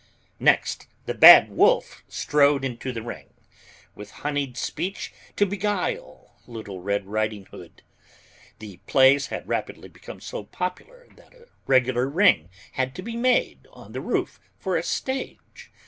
Next the Bad Wolf strode into the ring, with honeyed speech to beguile little Red Riding Hood. The plays had rapidly become so popular that a regular ring had to be made on the roof for a stage.